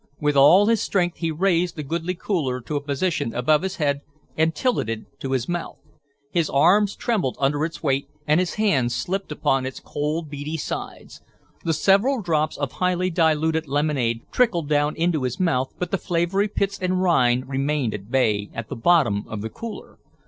With all his strength he raised the goodly cooler to a position above his head and tilted it to his mouth. His arms trembled under its weight, and his hands slipped upon its cold, beady sides. The several drops of highly diluted lemonade trickled down into his mouth but the flavory pits and rind remained at bay at the bottom of the cooler.